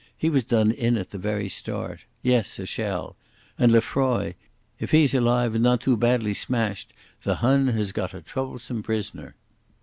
He was done in at the very start. Yes, a shell. And Lefroy. If he's alive and not too badly smashed the Hun has got a troublesome prisoner."